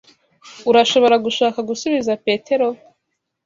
Urashobora gushaka gusubiza Petero.